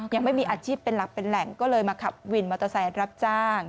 ยังไม่มีอาชีพเป็นหลักเป็นแหล่งก็เลยมาขับวินมอเตอร์ไซค์รับจ้าง